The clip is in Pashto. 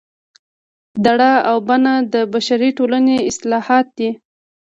دړه او بنه د بشري ټولنې اصطلاحات دي